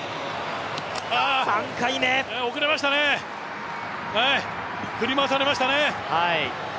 ３回目遅れましたね、振り回されましたね。